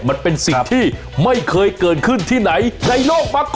มันเป็นสิ่งที่ไม่เคยเกิดขึ้นที่ไหนในโลกมาก่อน